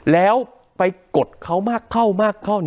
แล้วไปกดเขามากเข้ามากเข้า